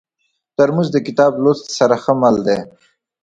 ترموز د کتاب لوست سره ښه مل دی.